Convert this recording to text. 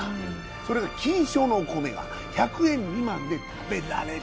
それが金賞のお米が１００円未満で食べられる。